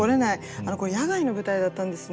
これ野外の舞台だったんですね。